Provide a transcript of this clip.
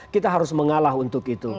kita harus mengalah untuk itu